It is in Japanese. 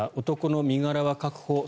男の身柄は確保。